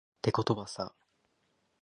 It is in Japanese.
てことはさ